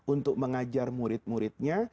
untuk mengajar murid muridnya